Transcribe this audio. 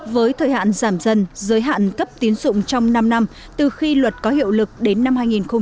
với thời hạn giảm dân giới hạn cấp tín dụng trong năm năm từ khi luật có hiệu lực đến năm hai nghìn hai mươi chín